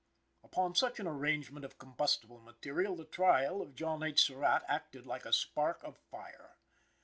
Upon such an arrangement of combustible material, the trial of John H. Surratt acted like a spark of fire.